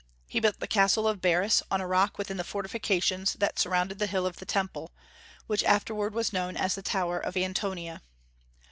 He built the castle of Baris on a rock within the fortifications that surrounded the hill of the Temple, which afterward was known as the tower of Antonia.